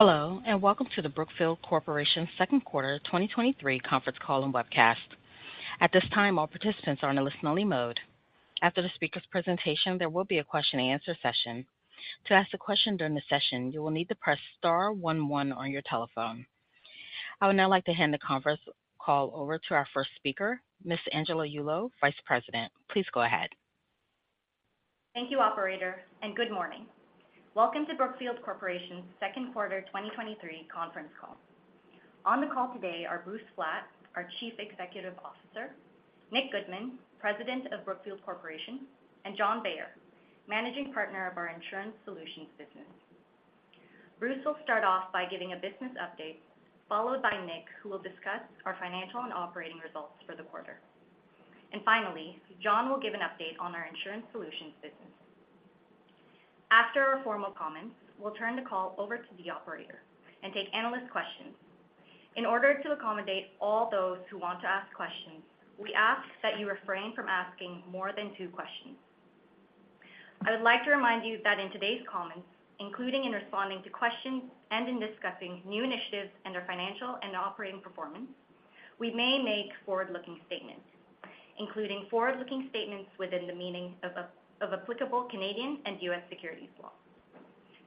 Hello, and welcome to the Brookfield Corporation Second Quarter 2023 conference call and webcast. At this time, all participants are in a listen-only mode. After the speaker's presentation, there will be a question and answer session. To ask a question during the session, you will need to press star 11 on your telephone. I would now like to hand the conference call over to our first speaker, Miss Angela Yulo, Vice President. Please go ahead. Thank you, operator. Good morning. Welcome to Brookfield Corporation's second quarter 2023 conference call. On the call today are Bruce Flatt, our Chief Executive Officer, Nick Goodman, President of Brookfield Corporation, and John Bayer, Managing Partner of our Insurance Solutions business. Bruce will start off by giving a business update, followed by Nick, who will discuss our financial and operating results for the quarter. Finally, John will give an update on our Insurance Solutions business. After our formal comments, we'll turn the call over to the operator and take analyst questions. In order to accommodate all those who want to ask questions, we ask that you refrain from asking more than two questions. I would like to remind you that in today's comments, including in responding to questions and in discussing new initiatives and our financial and operating performance, we may make forward-looking statements, including forward-looking statements within the meaning of applicable Canadian and U.S. securities laws.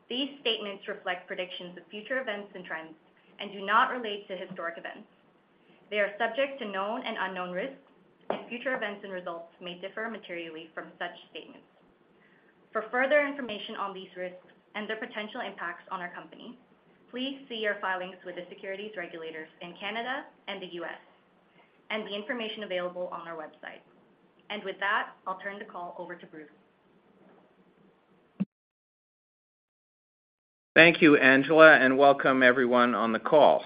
These statements reflect predictions of future events and trends and do not relate to historic events. They are subject to known and unknown risks, and future events and results may differ materially from such statements. For further information on these risks and their potential impacts on our company, please see our filings with the securities regulators in Canada and the U.S., and the information available on our website. With that, I'll turn the call over to Bruce. Thank you, Angela, welcome everyone on the call.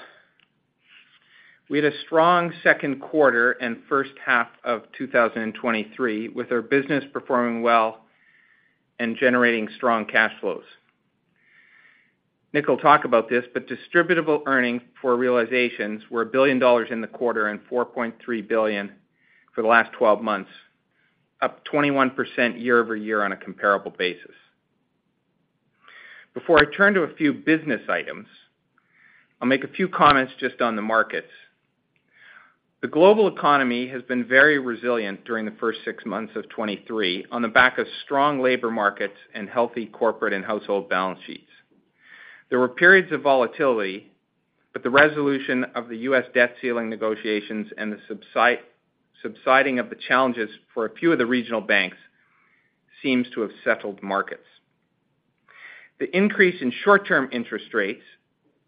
We had a strong second quarter and first half of 2023, with our business performing well and generating strong cash flows. Nick will talk about this, distributable earnings for realizations were $1 billion in the quarter and $4.3 billion for the last 12 months, up 21% year-over-year on a comparable basis. Before I turn to a few business items, I'll make a few comments just on the markets. The global economy has been very resilient during the first 6 months of 2023 on the back of strong labor markets and healthy corporate and household balance sheets. There were periods of volatility, the resolution of the U.S. debt ceiling negotiations and the subsiding of the challenges for a few of the regional banks seems to have settled markets. The increase in short-term interest rates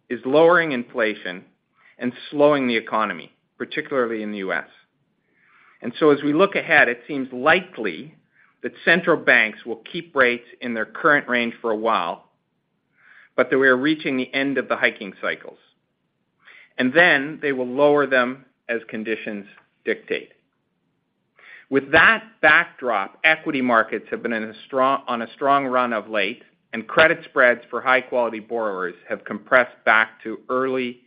is lowering inflation and slowing the economy, particularly in the U.S. As we look ahead, it seems likely that central banks will keep rates in their current range for a while, but that we are reaching the end of the hiking cycles, and then they will lower them as conditions dictate. With that backdrop, equity markets have been on a strong run of late, and credit spreads for high-quality borrowers have compressed back to early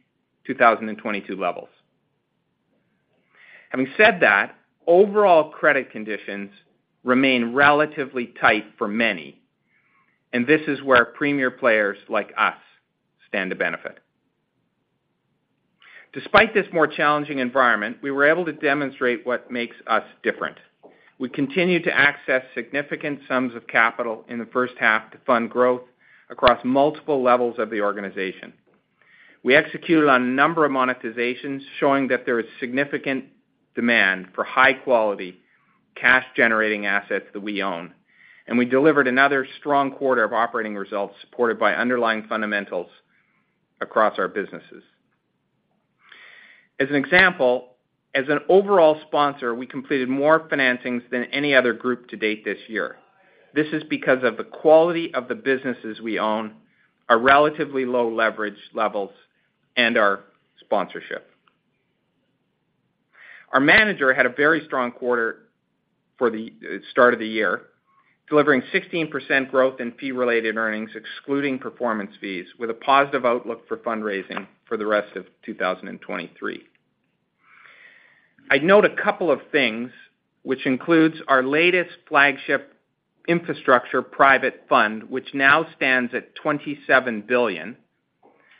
2022 levels. Having said that, overall credit conditions remain relatively tight for many, and this is where premier players like us stand to benefit. Despite this more challenging environment, we were able to demonstrate what makes us different. We continued to access significant sums of capital in the first half to fund growth across multiple levels of the organization. We executed on a number of monetizations, showing that there is significant demand for high-quality, cash-generating assets that we own. We delivered another strong quarter of operating results supported by underlying fundamentals across our businesses. As an example, as an overall sponsor, we completed more financings than any other group to date this year. This is because of the quality of the businesses we own, our relatively low leverage levels, and our sponsorship. Our manager had a very strong quarter for the start of the year, delivering 16% growth in fee-related earnings, excluding performance fees, with a positive outlook for fundraising for the rest of 2023. I'd note a couple of things, which includes our latest flagship infrastructure private fund, which now stands at $27 billion,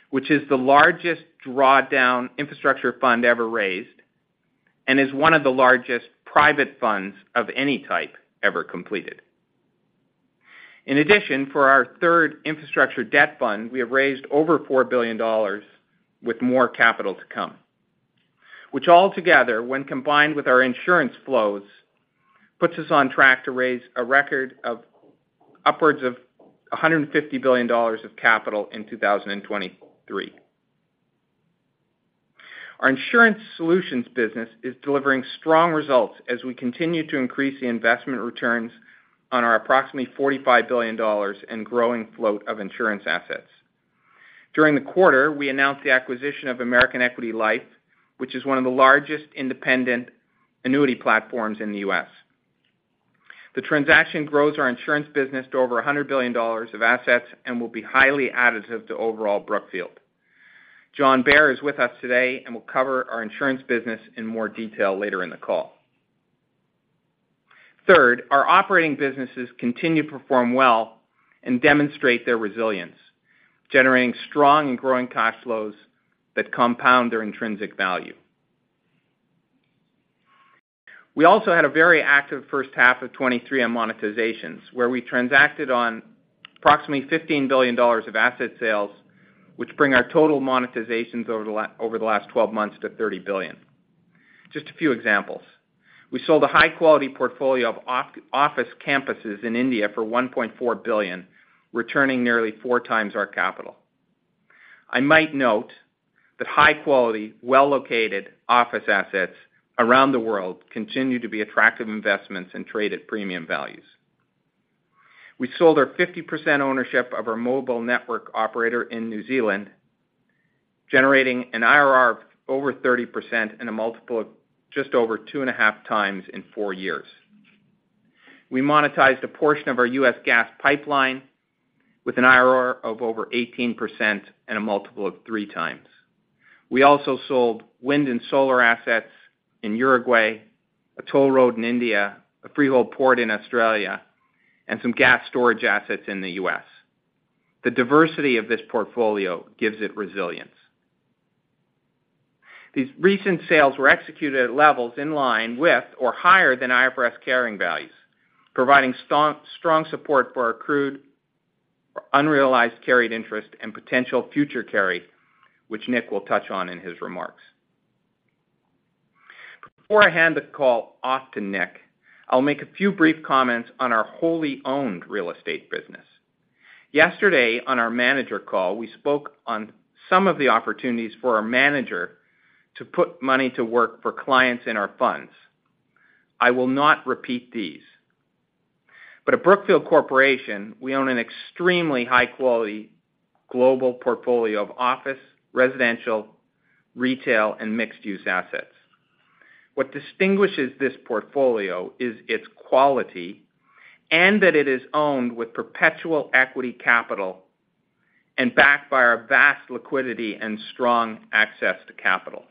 which is the largest drawdown infrastructure fund ever raised and is one of the largest private funds of any type ever completed. In addition, for our third infrastructure debt fund, we have raised over $4 billion with more capital to come, which altogether, when combined with our insurance flows, puts us on track to raise a record of upwards of $150 billion of capital in 2023. Our insurance solutions business is delivering strong results as we continue to increase the investment returns on our approximately $45 billion in growing float of insurance assets. During the quarter, we announced the acquisition of American Equity Life, which is one of the largest independent annuity platforms in the U.S. The transaction grows our insurance business to over $100 billion of assets and will be highly additive to overall Brookfield. John Bayer is with us today and will cover our insurance business in more detail later in the call. Third, our operating businesses continue to perform well and demonstrate their resilience, generating strong and growing cash flows that compound their intrinsic value. We also had a very active first half of 2023 on monetizations, where we transacted on approximately $15 billion of asset sales, which bring our total monetizations over the last 12 months to $30 billion. Just a few examples: We sold a high-quality portfolio of office campuses in India for $1.4 billion, returning nearly four times our capital. I might note that high quality, well-located office assets around the world continue to be attractive investments and trade at premium values. We sold our 50% ownership of our mobile network operator in New Zealand, generating an IRR of over 30% and a multiple of just over 2.5x in four years. We monetized a portion of our U.S. gas pipeline with an IRR of over 18% and a multiple of 3x. We also sold wind and solar assets in Uruguay, a toll road in India, a freehold port in Australia, and some gas storage assets in the U.S. The diversity of this portfolio gives it resilience. These recent sales were executed at levels in line with or higher than IFRS carrying values, providing strong support for our accrued or unrealized carried interest and potential future carry, which Nick will touch on in his remarks. Before I hand the call off to Nick, I'll make a few brief comments on our wholly owned real estate business. Yesterday, on our manager call, we spoke on some of the opportunities for our manager to put money to work for clients in our funds. I will not repeat these. At Brookfield Corporation, we own an extremely high quality global portfolio of office, residential, retail, and mixed-use assets. What distinguishes this portfolio is its quality and that it is owned with perpetual equity capital and backed by our vast liquidity and strong access to capital.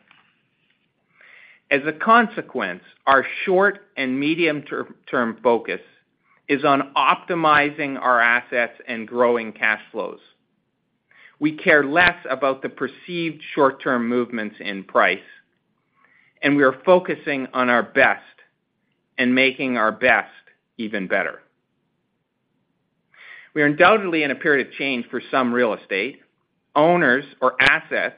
As a consequence, our short and medium-term focus is on optimizing our assets and growing cash flows. We care less about the perceived short-term movements in price, and we are focusing on our best and making our best even better. We are undoubtedly in a period of change for some real estate owners or assets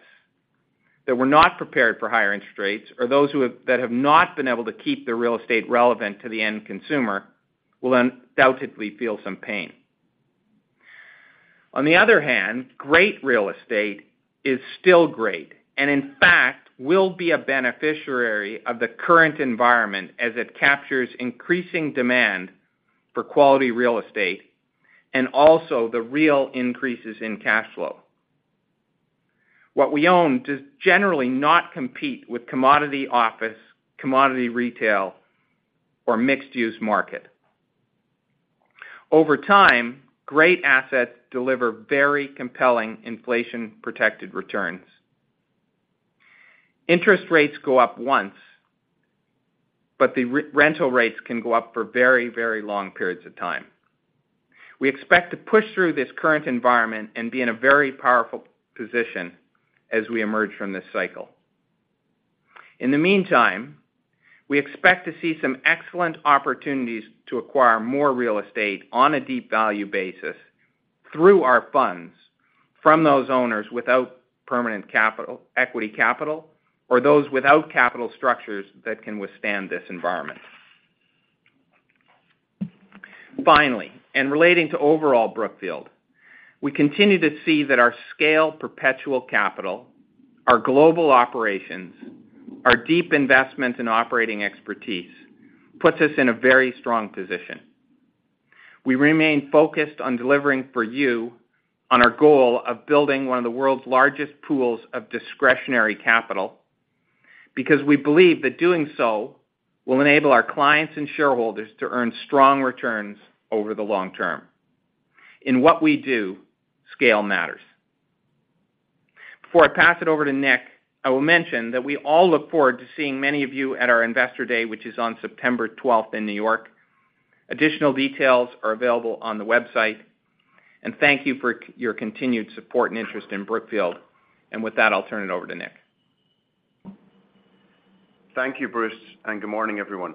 that were not prepared for higher interest rates, or those that have not been able to keep their real estate relevant to the end consumer, will undoubtedly feel some pain. On the other hand, great real estate is still great, and in fact, will be a beneficiary of the current environment as it captures increasing demand for quality real estate and also the real increases in cash flow. What we own does generally not compete with commodity office, commodity retail, or mixed-use market. Over time, great assets deliver very compelling inflation-protected returns. Interest rates go up once, but the re- rental rates can go up for very, very long periods of time. We expect to push through this current environment and be in a very powerful position as we emerge from this cycle. In the meantime, we expect to see some excellent opportunities to acquire more real estate on a deep value basis through our funds from those owners without permanent capital, equity capital, or those without capital structures that can withstand this environment. Finally, and relating to overall Brookfield, we continue to see that our scale perpetual capital, our global operations, our deep investment and operating expertise, puts us in a very strong position. We remain focused on delivering for you on our goal of building one of the world's largest pools of discretionary capital, because we believe that doing so will enable our clients and shareholders to earn strong returns over the long term. In what we do, scale matters. Before I pass it over to Nick, I will mention that we all look forward to seeing many of you at our Investor Day, which is on September 12th in New York. Additional details are available on the website, thank you for your continued support and interest in Brookfield. With that, I'll turn it over to Nick. Thank you, Bruce. Good morning, everyone.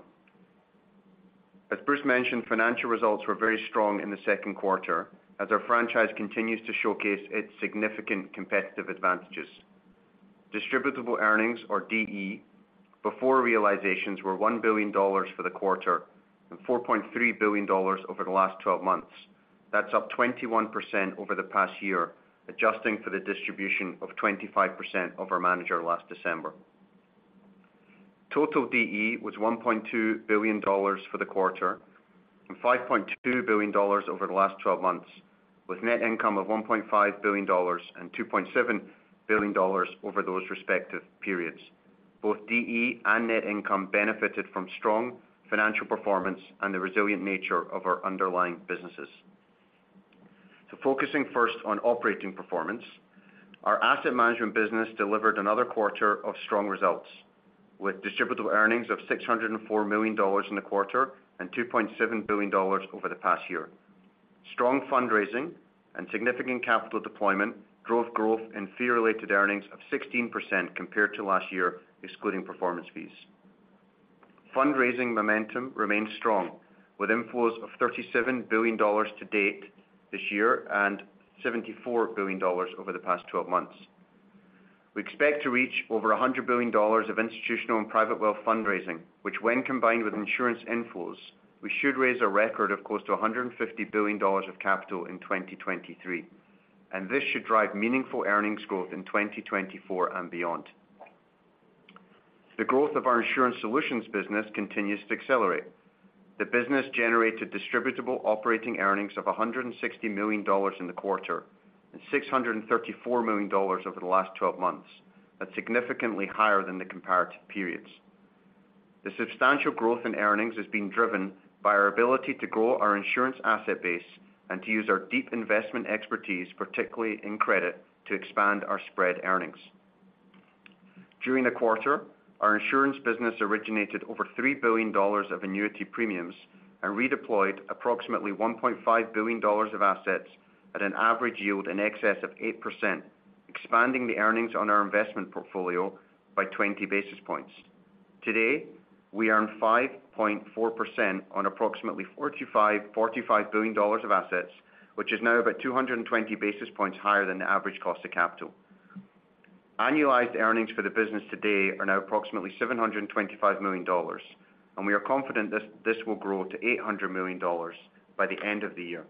As Bruce mentioned, financial results were very strong in the second quarter as our franchise continues to showcase its significant competitive advantages. Distributable earnings, or DE, before realizations were $1 billion for the quarter and $4.3 billion over the last 12 months. That's up 21% over the past year, adjusting for the distribution of 25% of our manager last December. Total DE was $1.2 billion for the quarter and $5.2 billion over the last 12 months, with net income of $1.5 billion and $2.7 billion over those respective periods. Both DE and net income benefited from strong financial performance and the resilient nature of our underlying businesses.... Focusing first on operating performance, our asset management business delivered another quarter of strong results, with distributable earnings of $604 million in the quarter and $2.7 billion over the past year. Strong fundraising and significant capital deployment drove growth in fee-related earnings of 16% compared to last year, excluding performance fees. Fundraising momentum remains strong, with inflows of $37 billion to date this year and $74 billion over the past twelve months. We expect to reach over $100 billion of institutional and private wealth fundraising, which when combined with insurance inflows, we should raise a record of close to $150 billion of capital in 2023, and this should drive meaningful earnings growth in 2024 and beyond. The growth of our insurance solutions business continues to accelerate. The business generated distributable operating earnings of $160 million in the quarter, and $634 million over the last 12 months, that's significantly higher than the comparative periods. The substantial growth in earnings is being driven by our ability to grow our insurance asset base and to use our deep investment expertise, particularly in credit, to expand our spread earnings. During the quarter, our insurance business originated over $3 billion of annuity premiums and redeployed approximately $1.5 billion of assets at an average yield in excess of 8%, expanding the earnings on our investment portfolio by 20 basis points. Today, we earn 5.4% on approximately $45 billion of assets, which is now about 220 basis points higher than the average cost of capital. Annualized earnings for the business today are now approximately $725 million, and we are confident this, this will grow to $800 million by the end of the year.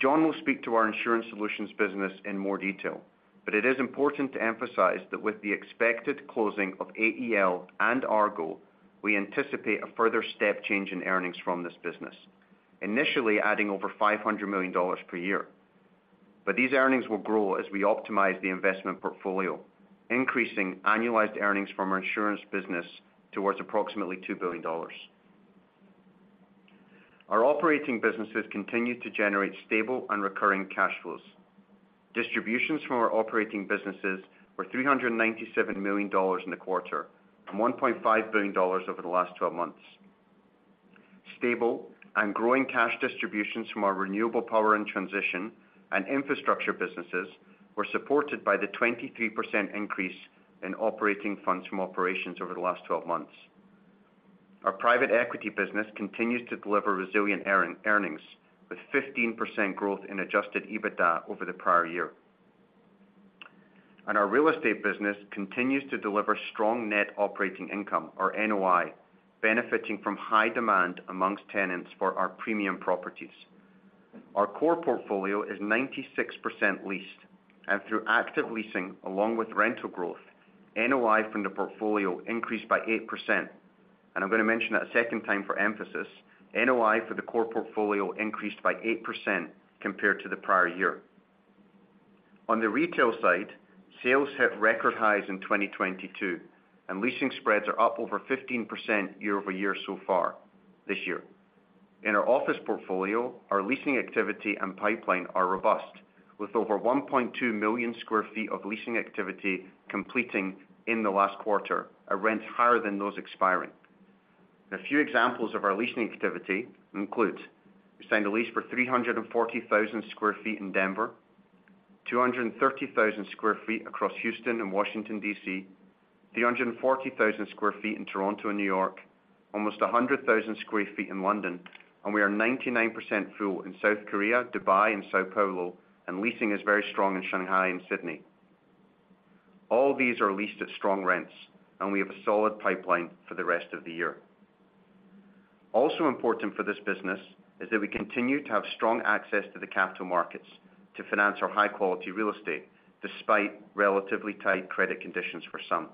John will speak to our insurance solutions business in more detail, but it is important to emphasize that with the expected closing of AEL and Argo, we anticipate a further step change in earnings from this business, initially adding over $500 million per year. These earnings will grow as we optimize the investment portfolio, increasing annualized earnings from our insurance business towards approximately $2 billion. Our operating businesses continue to generate stable and recurring cash flows. Distributions from our operating businesses were $397 million in the quarter, and $1.5 billion over the last 12 months. Stable and growing cash distributions from our renewable power and transition and infrastructure businesses were supported by the 23% increase in operating funds from operations over the last 12 months. Our private equity business continues to deliver resilient earnings, with 15% growth in adjusted EBITDA over the prior year. Our real estate business continues to deliver strong net operating income, or NOI, benefiting from high demand amongst tenants for our premium properties. Our core portfolio is 96% leased, and through active leasing, along with rental growth, NOI from the portfolio increased by 8%. I'm going to mention that a second time for emphasis, NOI for the core portfolio increased by 8% compared to the prior year. On the retail side, sales hit record highs in 2022, and leasing spreads are up over 15% year-over-year so far this year. In our office portfolio, our leasing activity and pipeline are robust, with over 1.2 million sq ft of leasing activity completing in the last quarter, at rents higher than those expiring. A few examples of our leasing activity include: we signed a lease for 340,000 sq ft in Denver, 230,000 sq ft across Houston and Washington, D.C., 340,000 sq ft in Toronto and New York, almost 100,000 sq ft in London. We are 99% full in South Korea, Dubai, and São Paulo. Leasing is very strong in Shanghai and Sydney. All these are leased at strong rents. We have a solid pipeline for the rest of the year. Also important for this business is that we continue to have strong access to the capital markets to finance our high-quality real estate, despite relatively tight credit conditions for some.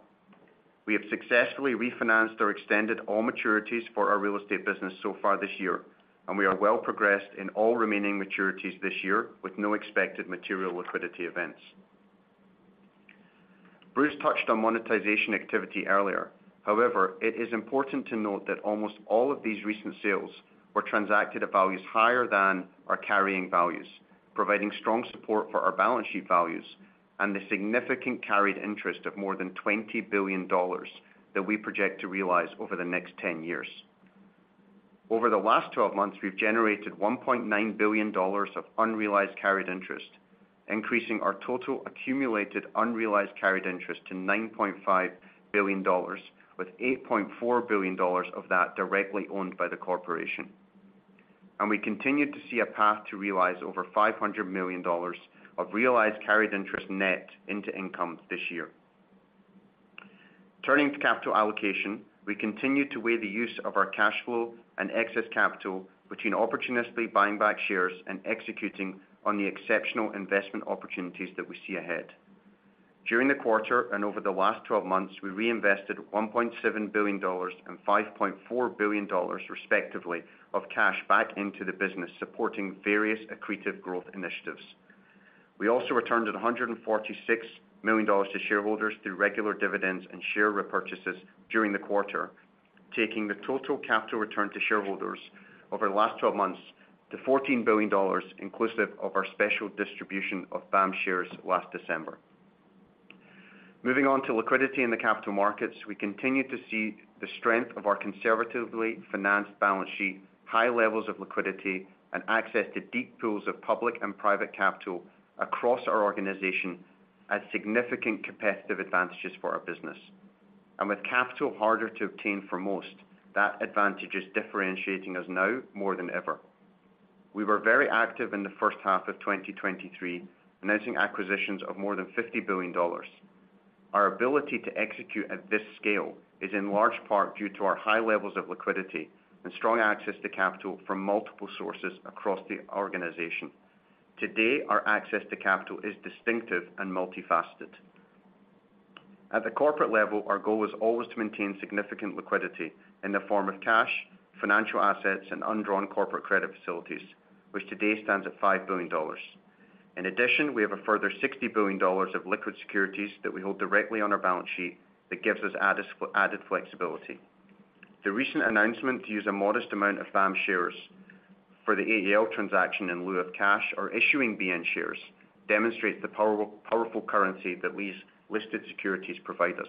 We have successfully refinanced or extended all maturities for our real estate business so far this year, and we are well progressed in all remaining maturities this year with no expected material liquidity events. Bruce touched on monetization activity earlier. However, it is important to note that almost all of these recent sales were transacted at values higher than our carrying values, providing strong support for our balance sheet values and the significant carried interest of more than $20 billion that we project to realize over the next 10 years. Over the last 12 months, we've generated $1.9 billion of unrealized carried interest, increasing our total accumulated unrealized carried interest to $9.5 billion, with $8.4 billion of that directly owned by the Corporation. We continue to see a path to realize over $500 million of realized carried interest net into income this year. Turning to capital allocation, we continue to weigh the use of our cash flow and excess capital between opportunistically buying back shares and executing on the exceptional investment opportunities that we see ahead. During the quarter and over the last 12 months, we reinvested $1.7 billion and $5.4 billion, respectively, of cash back into the business, supporting various accretive growth initiatives. We also returned at $146 million to shareholders through regular dividends and share repurchases during the quarter, taking the total capital return to shareholders over the last 12 months to $14 billion, inclusive of our special distribution of BAM shares last December. Moving on to liquidity in the capital markets, we continue to see the strength of our conservatively financed balance sheet, high levels of liquidity, and access to deep pools of public and private capital across our organization as significant competitive advantages for our business. With capital harder to obtain for most, that advantage is differentiating us now more than ever. We were very active in the first half of 2023, announcing acquisitions of more than $50 billion. Our ability to execute at this scale is in large part due to our high levels of liquidity and strong access to capital from multiple sources across the organization. Today, our access to capital is distinctive and multifaceted. At the corporate level, our goal is always to maintain significant liquidity in the form of cash, financial assets, and undrawn corporate credit facilities, which today stands at $5 billion. We have a further $60 billion of liquid securities that we hold directly on our balance sheet that gives us added flexibility. The recent announcement to use a modest amount of BAM shares for the AEL transaction in lieu of cash or issuing BN shares, demonstrates the powerful currency that these listed securities provide us.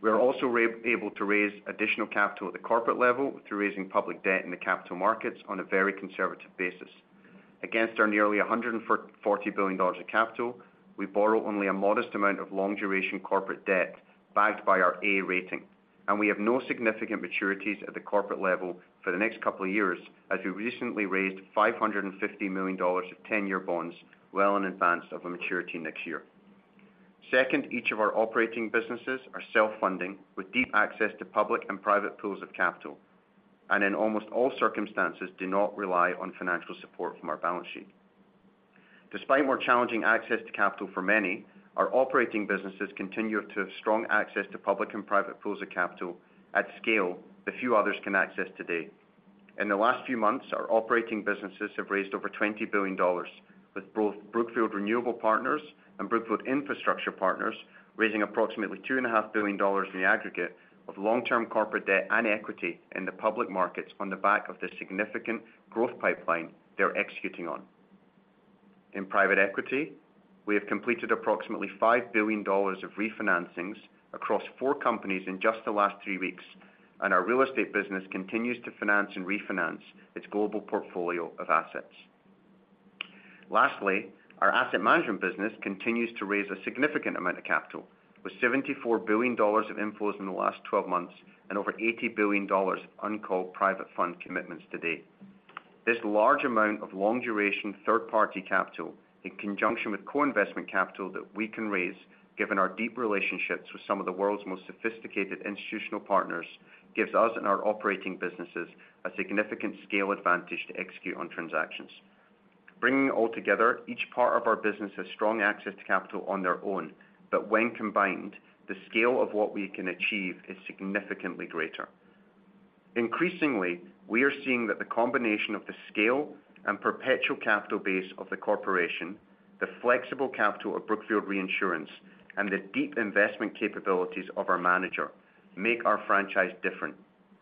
We are also able to raise additional capital at the corporate level through raising public debt in the capital markets on a very conservative basis. Against our nearly $140 billion of capital, we borrow only a modest amount of long-duration corporate debt, backed by our A rating, and we have no significant maturities at the corporate level for the next couple of years, as we recently raised $550 million of 10-year bonds well in advance of a maturity next year. Second, each of our operating businesses are self-funding, with deep access to public and private pools of capital, and in almost all circumstances, do not rely on financial support from our balance sheet. Despite more challenging access to capital for many, our operating businesses continue to have strong access to public and private pools of capital at scale that few others can access today. In the last few months, our operating businesses have raised over $20 billion, with both Brookfield Renewable Partners and Brookfield Infrastructure Partners raising approximately $2.5 billion in the aggregate of long-term corporate debt and equity in the public markets on the back of the significant growth pipeline they're executing on. In private equity, we have completed approximately $5 billion of refinancings across four companies in just the last three weeks, and our real estate business continues to finance and refinance its global portfolio of assets. Lastly, our asset management business continues to raise a significant amount of capital, with $74 billion of inflows in the last 12 months and over $80 billion of uncalled private fund commitments to date. This large amount of long-duration, third-party capital, in conjunction with core investment capital that we can raise, given our deep relationships with some of the world's most sophisticated institutional partners, gives us and our operating businesses a significant scale advantage to execute on transactions. Bringing it all together, each part of our business has strong access to capital on their own, but when combined, the scale of what we can achieve is significantly greater. Increasingly, we are seeing that the combination of the scale and perpetual capital base of the corporation, the flexible capital of Brookfield Reinsurance, and the deep investment capabilities of our manager, make our franchise different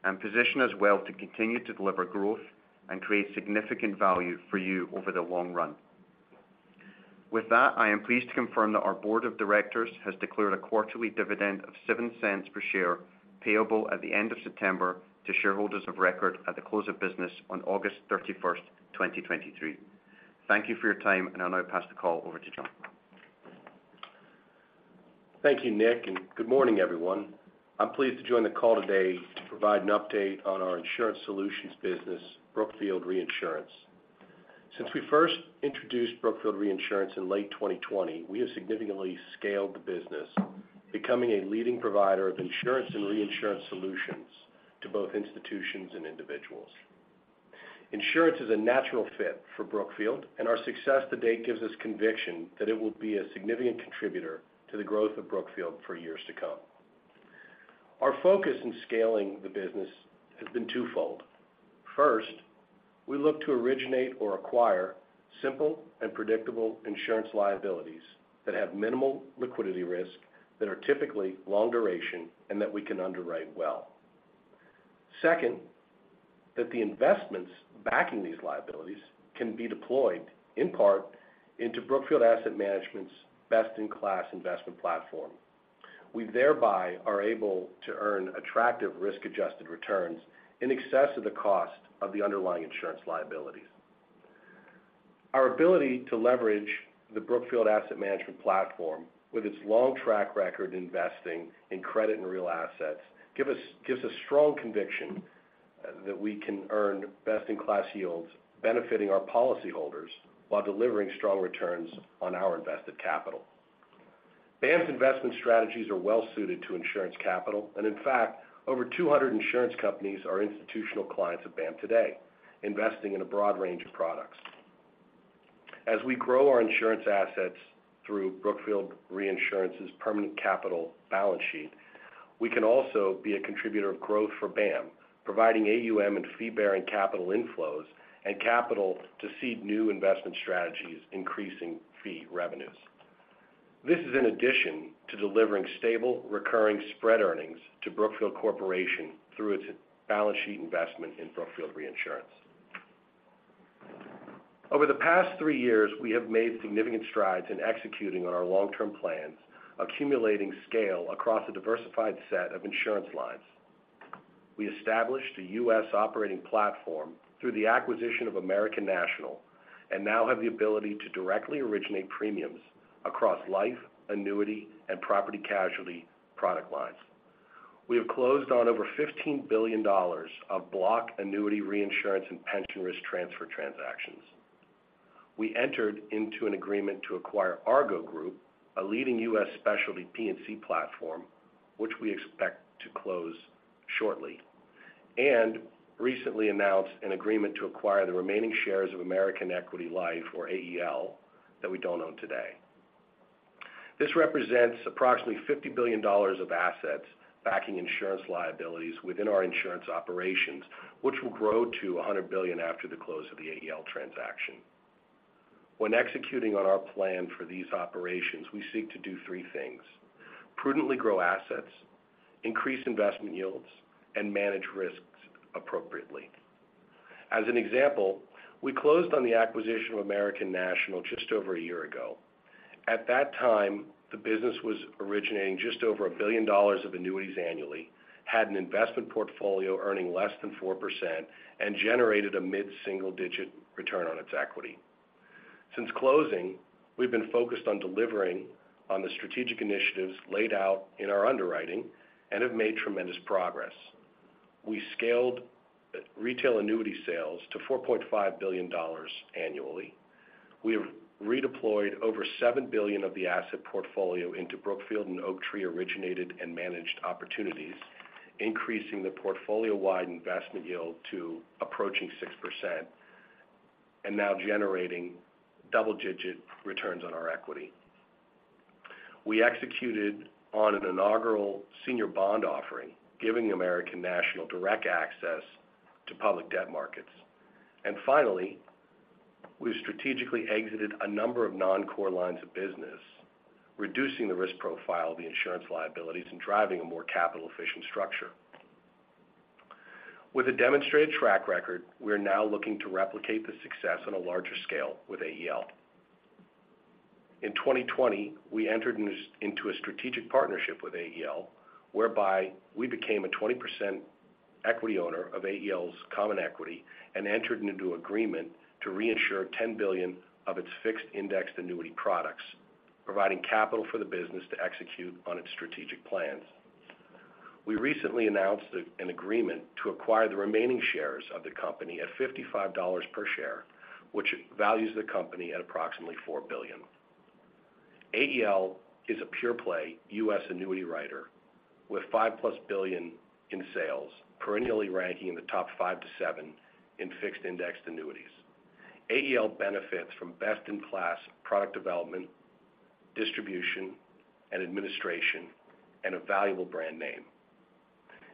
and position us well to continue to deliver growth and create significant value for you over the long run. With that, I am pleased to confirm that our board of directors has declared a quarterly dividend of $0.07 per share, payable at the end of September to shareholders of record at the close of business on August 31st, 2023. Thank you for your time, and I'll now pass the call over to John. Thank you, Nick, and good morning, everyone. I'm pleased to join the call today to provide an update on our insurance solutions business, Brookfield Reinsurance. Since we first introduced Brookfield Reinsurance in late 2020, we have significantly scaled the business, becoming a leading provider of insurance and reinsurance solutions to both institutions and individuals. Insurance is a natural fit for Brookfield, and our success to date gives us conviction that it will be a significant contributor to the growth of Brookfield for years to come. Our focus in scaling the business has been twofold. First, we look to originate or acquire simple and predictable insurance liabilities that have minimal liquidity risk, that are typically long duration, and that we can underwrite well. Second, that the investments backing these liabilities can be deployed, in part, into Brookfield Asset Management's best-in-class investment platform. We thereby are able to earn attractive risk-adjusted returns in excess of the cost of the underlying insurance liabilities. Our ability to leverage the Brookfield Asset Management platform, with its long track record in investing in credit and real assets, gives us strong conviction that we can earn best-in-class yields, benefiting our policyholders while delivering strong returns on our invested capital. BAM's investment strategies are well suited to insurance capital, and in fact, over 200 insurance companies are institutional clients of BAM today, investing in a broad range of products. As we grow our insurance assets through Brookfield Reinsurance's permanent capital balance sheet-... we can also be a contributor of growth for BAM, providing AUM and fee-bearing capital inflows and capital to seed new investment strategies, increasing fee revenues. This is in addition to delivering stable, recurring spread earnings to Brookfield Corporation through its balance sheet investment in Brookfield Reinsurance. Over the past three years, we have made significant strides in executing on our long-term plans, accumulating scale across a diversified set of insurance lines. We established a U.S. operating platform through the acquisition of American National, now have the ability to directly originate premiums across life, annuity, and property casualty product lines. We have closed on over $15 billion of block annuity reinsurance and pension risk transfer transactions. We entered into an agreement to acquire Argo Group, a leading U.S. specialty P&C platform, which we expect to close shortly, recently announced an agreement to acquire the remaining shares of American Equity Life, or AEL, that we don't own today. This represents approximately $50 billion of assets backing insurance liabilities within our insurance operations, which will grow to $100 billion after the close of the AEL transaction. When executing on our plan for these operations, we seek to do three things: prudently grow assets, increase investment yields, and manage risks appropriately. As an example, we closed on the acquisition of American National just over a year ago. At that time, the business was originating just over $1 billion of annuities annually, had an investment portfolio earning less than 4%, and generated a mid-single-digit return on its equity. Since closing, we've been focused on delivering on the strategic initiatives laid out in our underwriting and have made tremendous progress. We scaled retail annuity sales to $4.5 billion annually. We have redeployed over $7 billion of the asset portfolio into Brookfield and Oaktree originated and managed opportunities, increasing the portfolio-wide investment yield to approaching 6% and now generating double-digit returns on our equity. We executed on an inaugural senior bond offering, giving American National direct access to public debt markets. Finally, we strategically exited a number of non-core lines of business, reducing the risk profile of the insurance liabilities and driving a more capital-efficient structure. With a demonstrated track record, we are now looking to replicate the success on a larger scale with AEL. In 2020, we entered into a strategic partnership with AEL, whereby we became a 20% equity owner of AEL's common equity and entered into an agreement to reinsure $10 billion of its fixed indexed annuity products, providing capital for the business to execute on its strategic plans. We recently announced an agreement to acquire the remaining shares of the company at $55 per share, which values the company at approximately $4 billion. AEL is a pure play U.S. annuity writer with $5+ billion in sales, perennially ranking in the top 5-7 in fixed indexed annuities. AEL benefits from best-in-class product development, distribution, and administration, and a valuable brand name.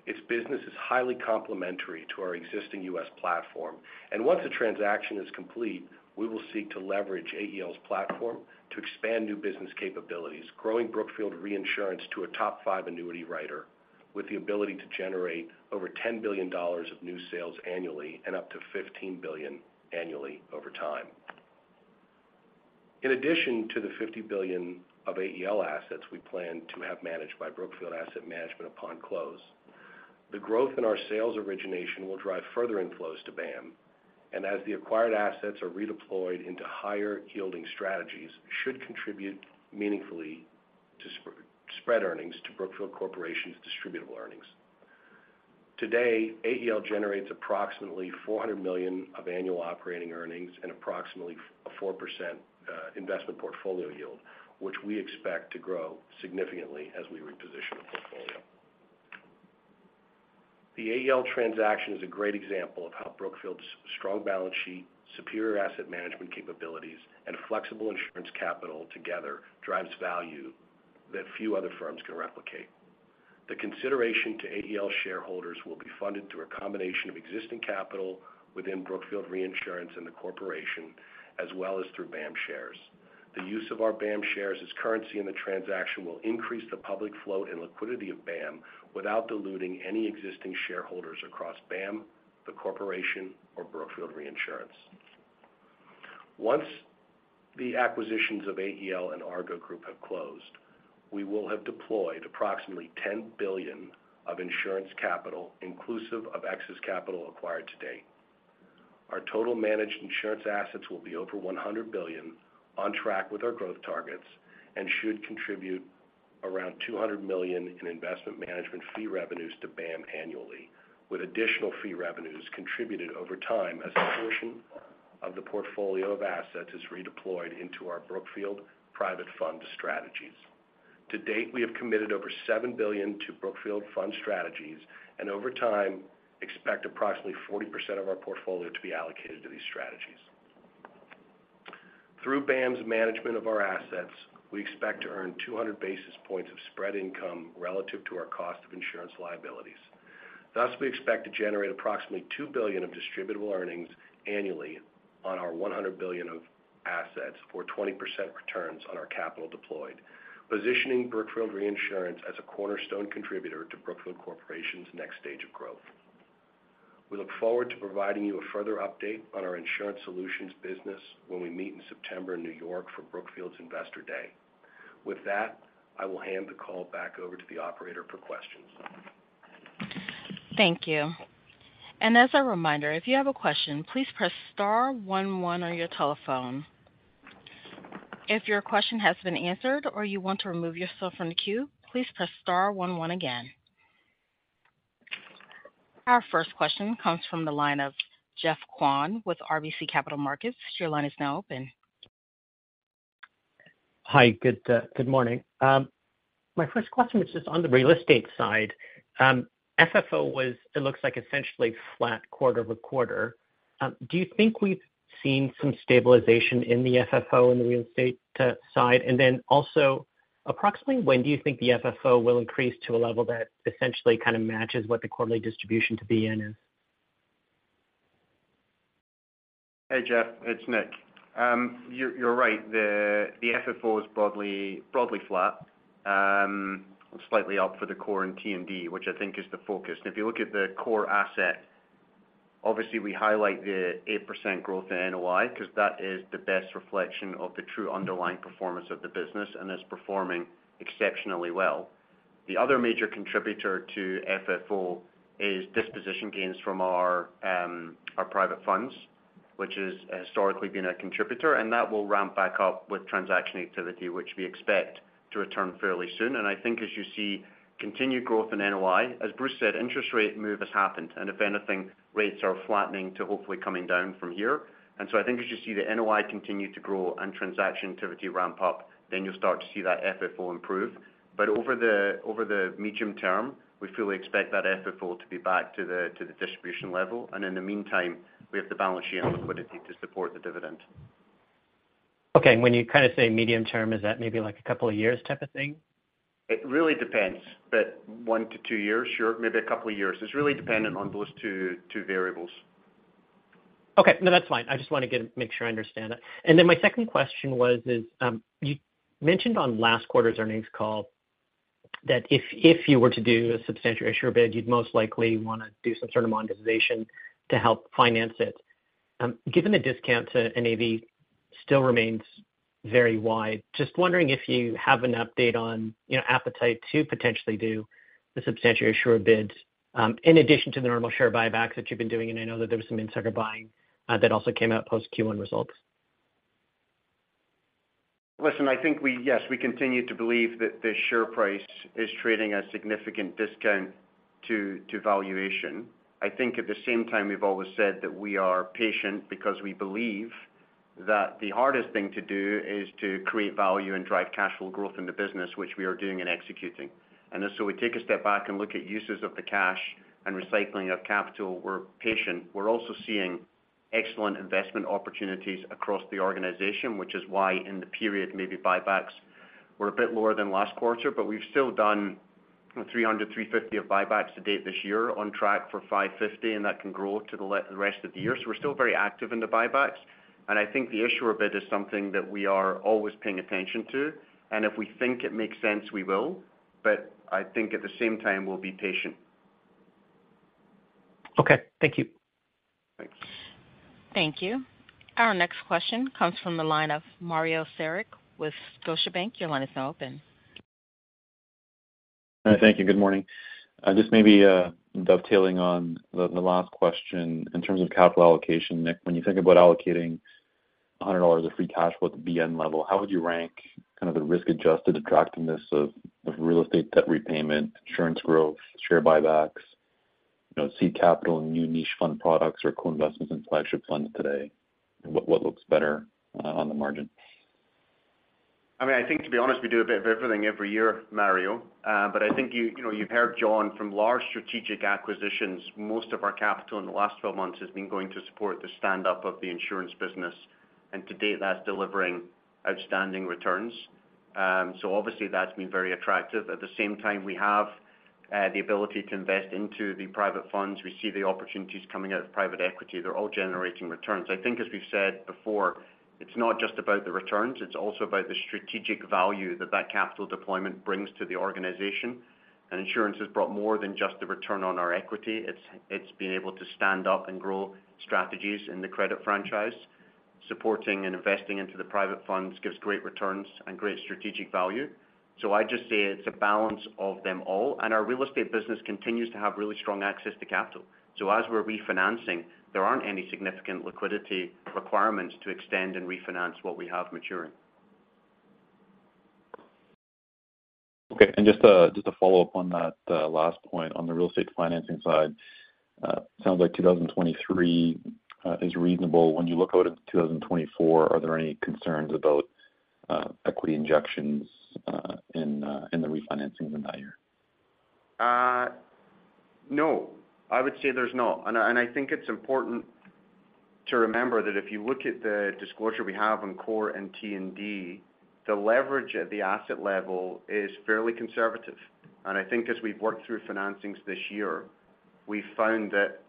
Its business is highly complementary to our existing U.S. platform. Once the transaction is complete, we will seek to leverage AEL's platform to expand new business capabilities, growing Brookfield Reinsurance to a top five annuity writer with the ability to generate over $10 billion of new sales annually and up to $15 billion annually over time. In addition to the $50 billion of AEL assets we plan to have managed by Brookfield Asset Management upon close, the growth in our sales origination will drive further inflows to BAM, and as the acquired assets are redeployed into higher-yielding strategies, should contribute meaningfully to spread earnings to Brookfield Corporation's distributable earnings. Today, AEL generates approximately $400 million of annual operating earnings and approximately a 4% investment portfolio yield, which we expect to grow significantly as we reposition the portfolio. The AEL transaction is a great example of how Brookfield's strong balance sheet, superior asset management capabilities, and flexible insurance capital together drives value that few other firms can replicate. The consideration to AEL shareholders will be funded through a combination of existing capital within Brookfield Reinsurance and the Corporation, as well as through BAM shares. The use of our BAM shares as currency in the transaction will increase the public float and liquidity of BAM without diluting any existing shareholders across BAM, the corporation, or Brookfield Reinsurance. Once the acquisitions of AEL and Argo Group have closed, we will have deployed approximately $10 billion of insurance capital, inclusive of excess capital acquired to date. Our total managed insurance assets will be over $100 billion, on track with our growth targets, and should contribute around $200 million in investment management fee revenues to BAM annually, with additional fee revenues contributed over time as a portion of the portfolio of assets is redeployed into our Brookfield private fund strategies. To date, we have committed over $7 billion to Brookfield fund strategies, and over time, expect approximately 40% of our portfolio to be allocated to these strategies.... Through BAM's management of our assets, we expect to earn 200 basis points of spread income relative to our cost of insurance liabilities. Thus, we expect to generate approximately $2 billion of distributable earnings annually on our $100 billion of assets, or 20% returns on our capital deployed, positioning Brookfield Reinsurance as a cornerstone contributor to Brookfield Corporation's next stage of growth. We look forward to providing you a further update on our insurance solutions business when we meet in September in New York for Brookfield's Investor Day. With that, I will hand the call back over to the operator for questions. Thank you. As a reminder, if you have a question, please press star 1, 1 on your telephone. If your question has been answered or you want to remove yourself from the queue, please press star 1, 1 again. Our first question comes from the line of Geoff Kwan with RBC Capital Markets. Your line is now open. Hi, good, good morning. My first question is just on the real estate side. FFO was, it looks like essentially flat quarter-over-quarter. Do you think we've seen some stabilization in the FFO in the real estate side? Also, approximately, when do you think the FFO will increase to a level that essentially kind of matches what the quarterly distribution to be in is? Hey, Geoff, it's Nick. You're, you're right. The, the FFO is broadly, broadly flat, slightly up for the core and TND, which I think is the focus. If you look at the core asset, obviously, we highlight the 8% growth in NOI, because that is the best reflection of the true underlying performance of the business and is performing exceptionally well. The other major contributor to FFO is disposition gains from our, our private funds, which has historically been a contributor, and that will ramp back up with transaction activity, which we expect to return fairly soon. I think as you see continued growth in NOI, as Bruce said, interest rate move has happened, and if anything, rates are flattening to hopefully coming down from here. I think as you see the NOI continue to grow and transaction activity ramp up, then you'll start to see that FFO improve. Over the, over the medium term, we fully expect that FFO to be back to the, to the distribution level. In the meantime, we have the balance sheet and liquidity to support the dividend. Okay. When you kind of say medium term, is that maybe like a couple of years type of thing? It really depends, but one to two years, sure, maybe a couple of years. It's really dependent on those two, two variables. Okay. No, that's fine. I just want to make sure I understand that. Then my second question was, is, you mentioned on last quarter's earnings call that if, if you were to do a substantial issuer bid, you'd most likely want to do some sort of monetization to help finance it. Given the discount to NAV still remains very wide, just wondering if you have an update on, you know, appetite to potentially do the substantial issuer bids, in addition to the normal share buybacks that you've been doing, and I know that there was some insider buying that also came out post Q1 results. Listen, I think we, yes, we continue to believe that the share price is trading at a significant discount to, to valuation. I think at the same time, we've always said that we are patient because we believe that the hardest thing to do is to create value and drive cash flow growth in the business, which we are doing and executing. So we take a step back and look at uses of the cash and recycling of capital. We're patient. We're also seeing excellent investment opportunities across the organization, which is why in the period, maybe buybacks were a bit lower than last quarter, but we've still done $300-$350 of buybacks to date this year, on track for $550, and that can grow to the rest of the year. We're still very active in the buybacks, and I think the issuer bid is something that we are always paying attention to. If we think it makes sense, we will. I think at the same time, we'll be patient. Okay. Thank you. Thanks. Thank you. Our next question comes from the line of Mario Saric with Scotiabank. Your line is now open. Thank you. Good morning. Just maybe, dovetailing on the, the last question in terms of capital allocation. Nick, when you think about allocating $100 of free cash flow at the BN level, how would you rank kind of the risk-adjusted attractiveness of, of real estate debt repayment, insurance growth, share buybacks, you know, seed capital and new niche fund products or co-investments in flagship funds today? What, what looks better, on the margin? I mean, I think to be honest, we do a bit of everything every year, Mario. I think you, you know, you've heard John from large strategic acquisitions, most of our capital in the last 12 months has been going to support the stand-up of the insurance business, and to date, that's delivering outstanding returns. Obviously, that's been very attractive. At the same time, we have the ability to invest into the private funds. We see the opportunities coming out of private equity. They're all generating returns. I think, as we've said before, it's not just about the returns, it's also about the strategic value that that capital deployment brings to the organization. Insurance has brought more than just the return on our equity. It's, it's been able to stand up and grow strategies in the credit franchise. Supporting and investing into the private funds gives great returns and great strategic value. I just say it's a balance of them all. Our real estate business continues to have really strong access to capital. As we're refinancing, there aren't any significant liquidity requirements to extend and refinance what we have maturing. Okay. Just a, just a follow-up on that last point on the real estate financing side. Sounds like 2023 is reasonable. When you look out at 2024, are there any concerns about equity injections in the refinancings in that year? No, I would say there's not. I, and I think it's important to remember that if you look at the disclosure we have on core and T&D, the leverage at the asset level is fairly conservative. I think as we've worked through financings this year, we've found that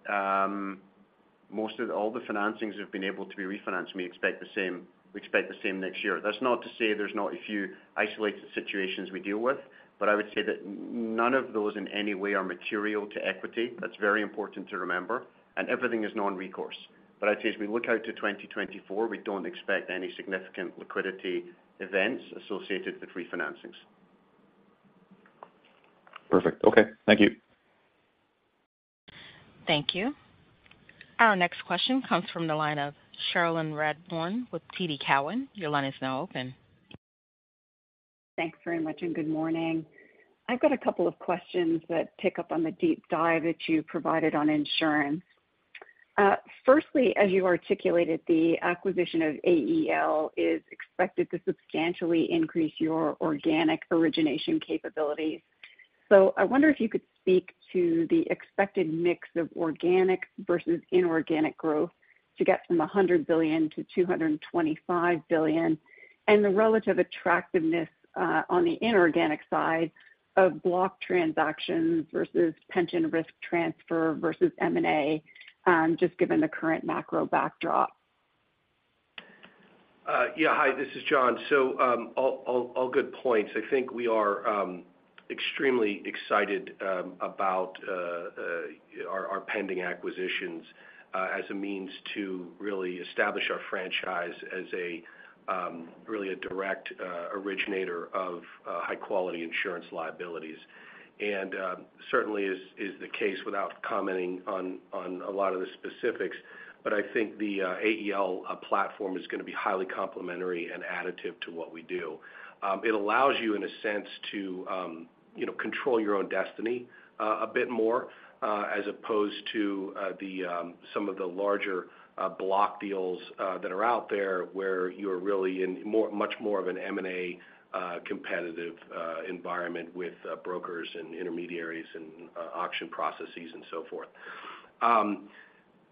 most of all the financings have been able to be refinanced, and we expect the same, we expect the same next year. That's not to say there's not a few isolated situations we deal with, but I would say that none of those in any way are material to equity. That's very important to remember, and everything is non-recourse. I'd say as we look out to 2024, we don't expect any significant liquidity events associated with refinancings. Perfect. Okay. Thank you. Thank you. Our next question comes from the line of Cherilyn Radbourne with TD Cowen. Your line is now open. Thanks very much, and good morning. I've got a couple of questions that pick up on the deep dive that you provided on insurance. Firstly, as you articulated, the acquisition of AEL is expected to substantially increase your organic origination capabilities. I wonder if you could speak to the expected mix of organic versus inorganic growth to get from $100 billion to $225 billion, and the relative attractiveness, on the inorganic side of block transactions versus pension risk transfer versus M&A, just given the current macro backdrop? Yeah. Hi, this is John. All, all, all good points. I think we are extremely excited about our pending acquisitions as a means to really establish our franchise as a really a direct originator of high-quality insurance liabilities. Certainly is, is the case without commenting on, on a lot of the specifics, but I think the AEL platform is gonna be highly complementary and additive to what we do. It allows you, in a sense, to, you know, control your own destiny a bit more as opposed to the some of the larger block deals that are out there, where you're really in much more of an M&A competitive environment with brokers and intermediaries and auction processes and so forth.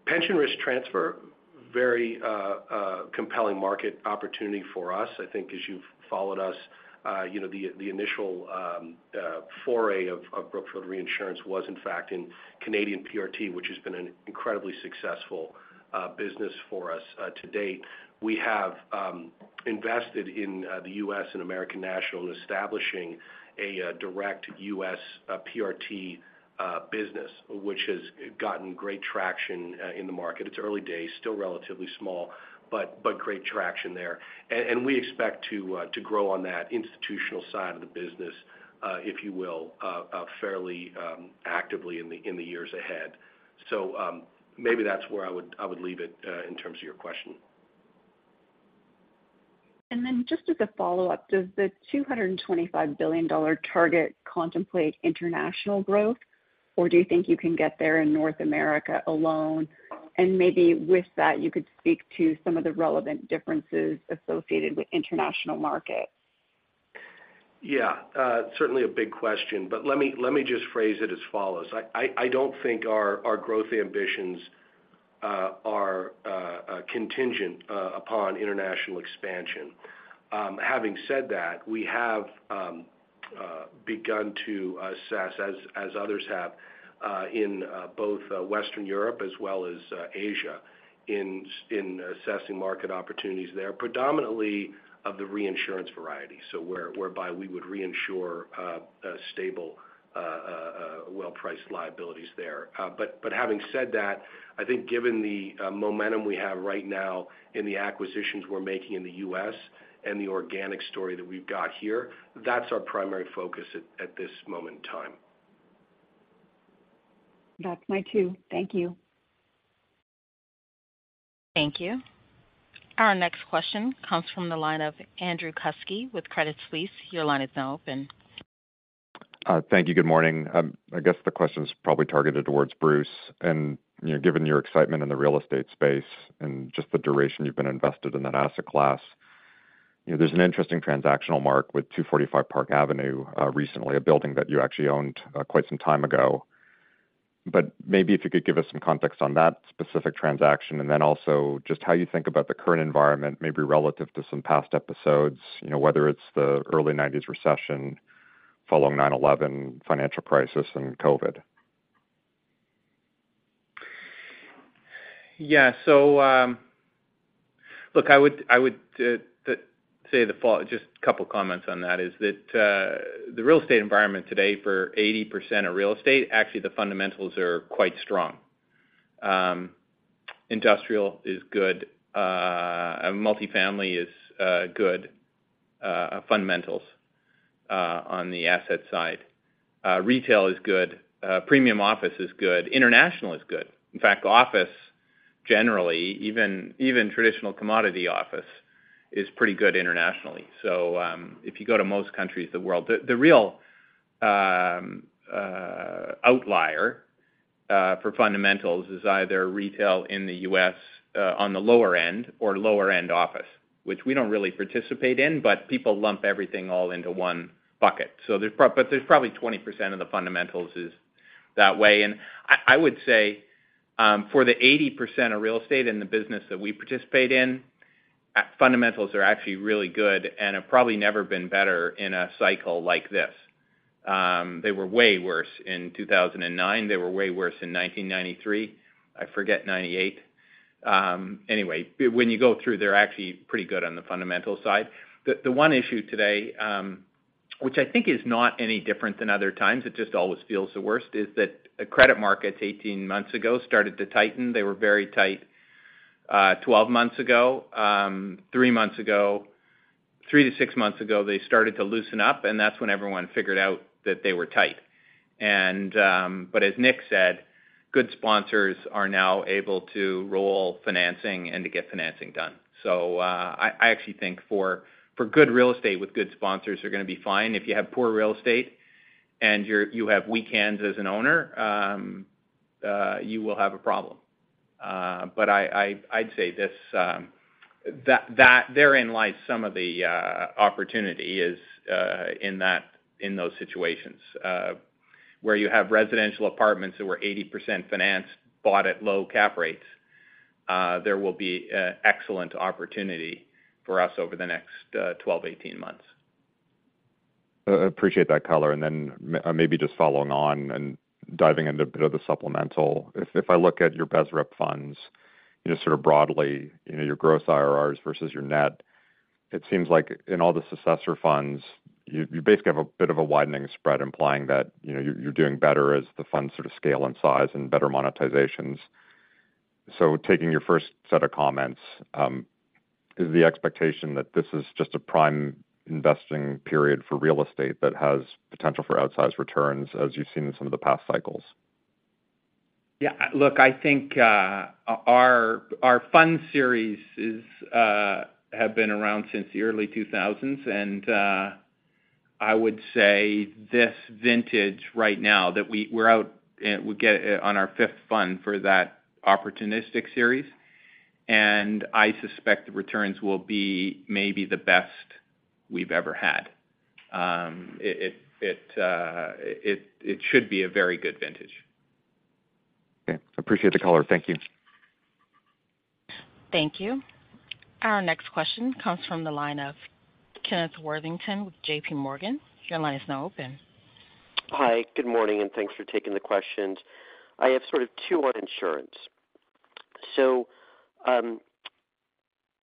Pension risk transfer, very compelling market opportunity for us. I think as you've followed us, you know, the initial foray of Brookfield Reinsurance was, in fact, in Canadian PRT, which has been an incredibly successful business for us to date. We have invested in the U.S. and American National in establishing a direct U.S. PRT business, which has gotten great traction in the market. It's early days, still relatively small, but great traction there. We expect to grow on that institutional side of the business, if you will, fairly actively in the years ahead. Maybe that's where I would leave it in terms of your question. Just as a follow-up, does the $225 billion target contemplate international growth, or do you think you can get there in North America alone? Maybe with that, you could speak to some of the relevant differences associated with international markets. Yeah, certainly a big question, but let me, let me just phrase it as follows: I, I, I don't think our growth ambitions are contingent upon international expansion. Having said that, we have begun to assess, as others have, in both Western Europe as well as Asia, in assessing market opportunities there, predominantly of the reinsurance variety. Whereby we would reinsure a stable, well-priced liabilities there. Having said that, I think given the momentum we have right now in the acquisitions we're making in the U.S. and the organic story that we've got here, that's our primary focus at this moment in time. That's mine, too. Thank you. Thank you. Our next question comes from the line of Andrew Kuske with Credit Suisse. Your line is now open. Thank you. Good morning. I guess the question is probably targeted towards Bruce. You know, given your excitement in the real estate space and just the duration you've been invested in that asset class, you know, there's an interesting transactional mark with 245 Park Avenue recently, a building that you actually owned quite some time ago. Maybe if you could give us some context on that specific transaction, and then also just how you think about the current environment, maybe relative to some past episodes, you know, whether it's the early 1990s recession following 9/11 financial crisis and COVID. Yeah. Look, I would, I would say Just a couple comments on that is that, the real estate environment today, for 80% of real estate, actually, the fundamentals are quite strong. Industrial is good. Multifamily is good, fundamentals on the asset side. Retail is good. Premium office is good. international is good. In fact, office, generally, even, even traditional commodity office, is pretty good internationally. If you go to most countries of the world... The real outlier.... for fundamentals is either retail in the U.S., on the lower end or lower end office, which we don't really participate in, but people lump everything all into one bucket. There's probably 20% of the fundamentals is that way. I, I would say, for the 80% of real estate in the business that we participate in, fundamentals are actually really good and have probably never been better in a cycle like this. They were way worse in 2009. They were way worse in 1993. I forget 1998. Anyway, when you go through, they're actually pretty good on the fundamental side. The one issue today, which I think is not any different than other times, it just always feels the worst, is that the credit markets 18 months ago started to tighten. They were very tight, 12 months ago, 3 months ago. 3-6 months ago, they started to loosen up, and that's when everyone figured out that they were tight. But as Nick said, good sponsors are now able to roll financing and to get financing done. I actually think for, for good real estate with good sponsors, they're gonna be fine. If you have poor real estate and you're, you have weak hands as an owner, you will have a problem. But I, I'd say this, that therein lies some of the opportunity is in that, in those situations. Where you have residential apartments that were 80% financed, bought at low cap rates, there will be excellent opportunity for us over the next 12-18 months. Appreciate that color. Then maybe just following on and diving into a bit of the supplemental. If, if I look at your best rep funds, just sort of broadly, you know, your gross IRRs versus your net, it seems like in all the successor funds, you, you basically have a bit of a widening spread, implying that, you know, you're, you're doing better as the funds sort of scale in size and better monetizations. Taking your first set of comments, is the expectation that this is just a prime investing period for real estate that has potential for outsized returns, as you've seen in some of the past cycles? Yeah, look, I think, our, our fund series is, have been around since the early 2000s, and I would say this vintage right now, that we're out, we get on our 5th fund for that opportunistic series, and I suspect the returns will be maybe the best we've ever had. It, it, it, it, it should be a very good vintage. Okay, appreciate the color. Thank you. Thank you. Our next question comes from the line of Kenneth Worthington with JPMorgan. Your line is now open. Hi, good morning, and thanks for taking the questions. I have sort of two on insurance. You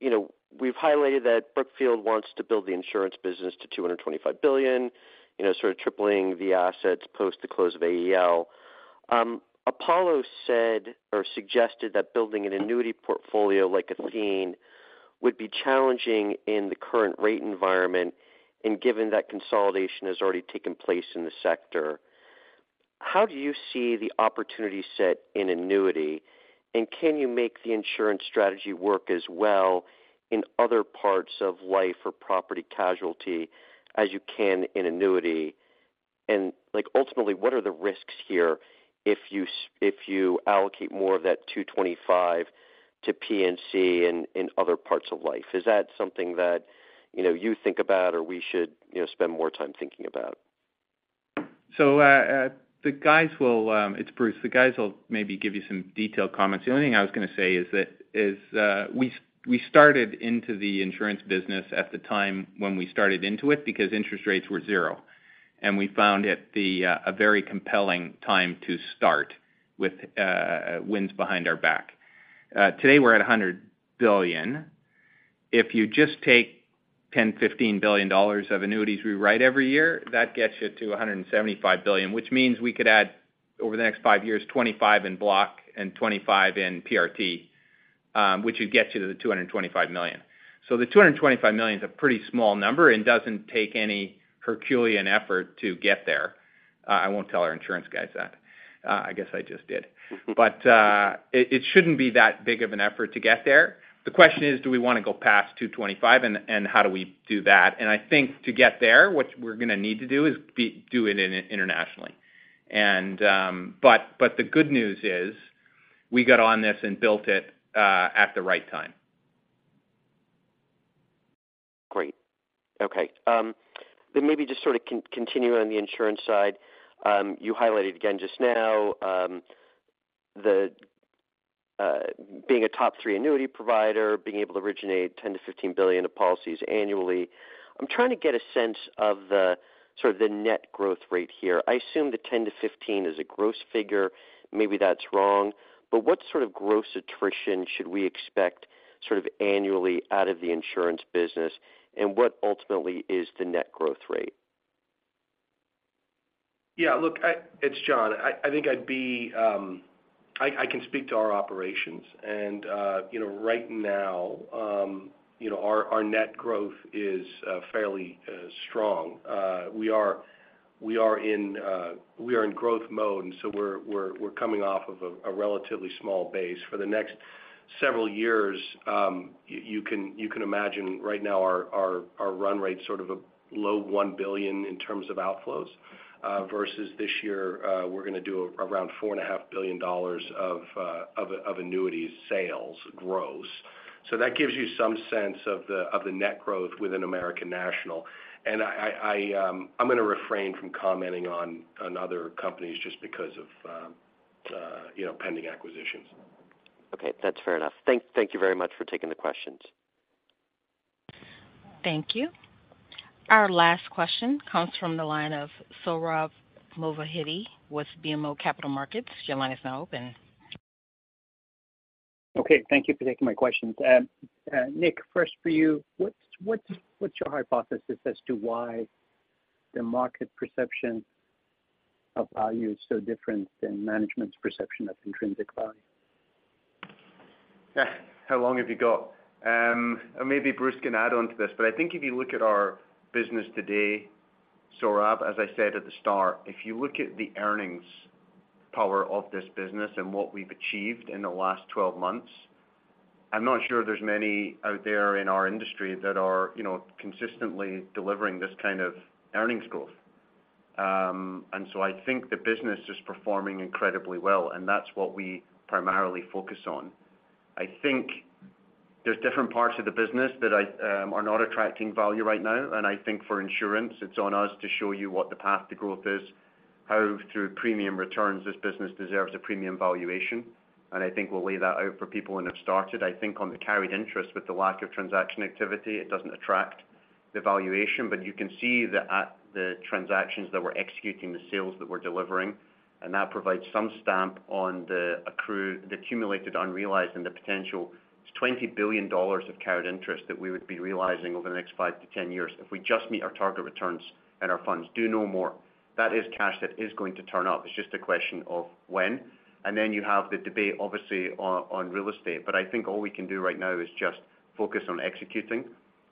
know, we've highlighted that Brookfield wants to build the insurance business to $225 billion, you know, sort of tripling the assets post the close of AEL. Apollo said or suggested that building an annuity portfolio like Athene would be challenging in the current rate environment and given that consolidation has already taken place in the sector. How do you see the opportunity set in annuity, and can you make the insurance strategy work as well in other parts of life or property casualty, as you can in annuity? Like, ultimately, what are the risks here if you allocate more of that $225 to P&C and other parts of life? Is that something that, you know, you think about or we should, you know, spend more time thinking about? It's Bruce. The guys will maybe give you some detailed comments. The only thing I was gonna say is that, we started into the insurance business at the time when we started into it because interest rates were 0, and we found it a very compelling time to start with winds behind our back. Today, we're at $100 billion. If you just take $10 billion-$15 billion of annuities we write every year, that gets you to $175 billion, which means we could add, over the next 5 years, $25 in block and $25 in PRT, which would get you to the $225 million. The $225 million is a pretty small number and doesn't take any Herculean effort to get there. I won't tell our insurance guys that, I guess I just did. It shouldn't be that big of an effort to get there. The question is, do we wanna go past 225, and how do we do that? I think to get there, what we're gonna need to do is do it in internationally. The good news is, we got on this and built it at the right time. Great. Okay. Maybe just sort of continue on the insurance side. You highlighted again just now, the, being a top three annuity provider, being able to originate $10 billion-$15 billion of policies annually. I'm trying to get a sense of the, sort of the net growth rate here. I assume the $10 billion-$15 billion is a gross figure. Maybe that's wrong, but what sort of gross attrition should we expect sort of annually out of the insurance business, and what ultimately is the net growth rate? Yeah. Look, it's John. I, I think I'd be. I, I can speak to our operations, you know, right now, you know, our, our net growth is fairly strong. We are, we are in, we are in growth mode, so we're, we're, we're coming off of a, a relatively small base. For the next... several years, you, you can, you can imagine right now our, our, our run rate sort of a low $1 billion in terms of outflows, versus this year, we're gonna do around $4.5 billion of, of, of annuities sales gross. That gives you some sense of the, of the net growth within American National. I, I, I, I'm gonna refrain from commenting on, on other companies just because of, you know, pending acquisitions. Okay, that's fair enough. Thank, thank you very much for taking the questions. Thank you. Our last question comes from the line of Sohrab Movahedi with BMO Capital Markets. Your line is now open. Okay, thank you for taking my questions. Nick, first for you, what's, what's, what's your hypothesis as to why the market perception of value is so different than management's perception of intrinsic value? Eh, how long have you got? Maybe Bruce can add on to this, but I think if you look at our business today, Sohrab, as I said at the start, if you look at the earnings power of this business and what we've achieved in the last 12 months, I'm not sure there's many out there in our industry that are, you know, consistently delivering this kind of earnings growth. I think the business is performing incredibly well, and that's what we primarily focus on. I think there's different parts of the business that I are not attracting value right now, and I think for insurance, it's on us to show you what the path to growth is, how, through premium returns, this business deserves a premium valuation. I think we'll lay that out for people when it started. I think on the carried interest, with the lack of transaction activity, it doesn't attract the valuation. You can see the transactions that we're executing, the sales that we're delivering, and that provides some stamp on the accumulated, unrealized, and the potential. It's $20 billion of carried interest that we would be realizing over the next 5-10 years if we just meet our target returns and our funds. Do no more. That is cash that is going to turn up. It's just a question of when. Then you have the debate, obviously on real estate. I think all we can do right now is just focus on executing.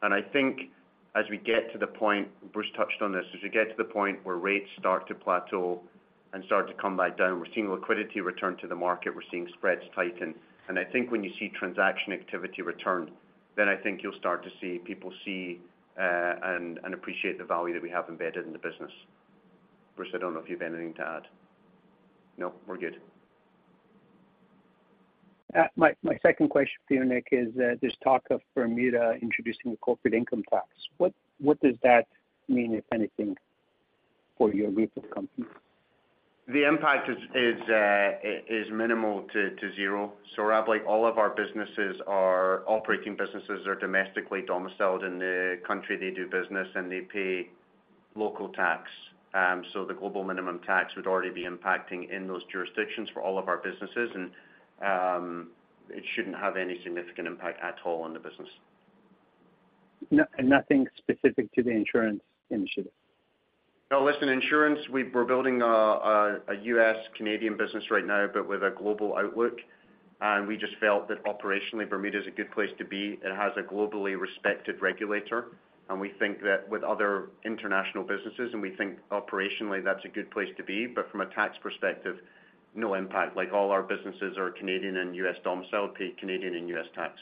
I think as we get to the point, Bruce touched on this, as we get to the point where rates start to plateau and start to come back down, we're seeing liquidity return to the market, we're seeing spreads tighten. I think when you see transaction activity return, then I think you'll start to see people see, and, and appreciate the value that we have embedded in the business. Bruce, I don't know if you have anything to add. No, we're good. My second question for you, Nick, is this talk of Bermuda introducing the corporate income tax. What does that mean, if anything, for your group of companies? The impact is, is minimal to, to zero. Sohrab, like, all of our businesses are operating businesses are domestically domiciled in the country they do business, and they pay local tax. The global minimum tax would already be impacting in those jurisdictions for all of our businesses, and it shouldn't have any significant impact at all on the business. nothing specific to the insurance initiative? No. Listen, insurance, we've we're building a U.S.-Canadian business right now, but with a global outlook, and we just felt that operationally, Bermuda is a good place to be. It has a globally respected regulator, and we think that with other international businesses, and we think operationally, that's a good place to be. From a tax perspective, no impact. Like, all our businesses are Canadian and U.S. domiciled, pay Canadian and U.S. tax,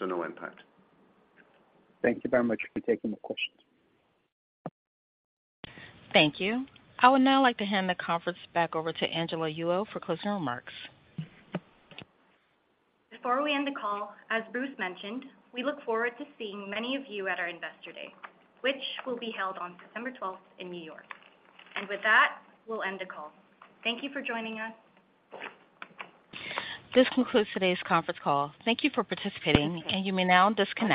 no impact. Thank you very much for taking the questions. Thank you. I would now like to hand the conference back over to Angela Yulo for closing remarks. Before we end the call, as Bruce mentioned, we look forward to seeing many of you at our Investor Day, which will be held on December twelfth in New York. With that, we'll end the call. Thank you for joining us. This concludes today's conference call. Thank you for participating, and you may now disconnect.